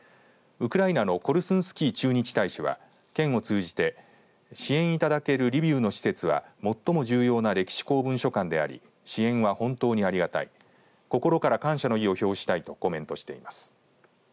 ウクライナのコルスンスキー駐日大使は県を通じて支援いただけるリビウの施設は最も重要な歴史公文書館であり支援は本当にありがたい心から感謝の意を表したいとコメントしています。